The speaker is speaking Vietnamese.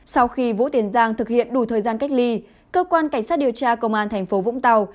sau khi vũ tiến giang thực hiện đủ thời gian cách ly cơ quan cảnh sát điều tra công an tp vũng tàu